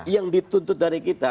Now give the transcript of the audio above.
yang dituntut dari kita